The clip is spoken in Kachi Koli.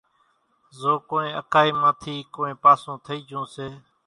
زو ڪونئين اڪائِي مان ٿِي ڪونئين پاسُون ٿئِي جھون سي